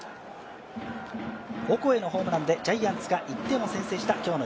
オコエのホームランでジャイアンツが１点を先制しています。